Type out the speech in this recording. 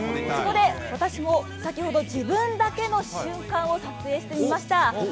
そこで私も先ほど、自分だけの瞬間を撮影してみました。